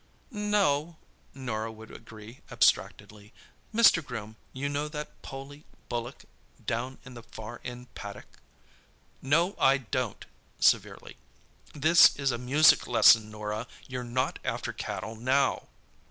"No" Norah would agree abstractedly. "Mr. Groom, you know that poley bullock down in the far end paddock—" "No, I don't," severely. "This is a music lesson, Norah; you're not after cattle now!"